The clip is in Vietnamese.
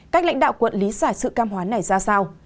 cách lãnh đạo quận lý giải sự cam hóa này ra sao